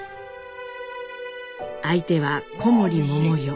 相手は小森百代。